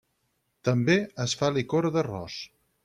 També es fa licor d'arròs.